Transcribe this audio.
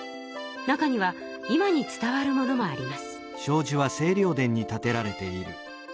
中には今に伝わるものもあります。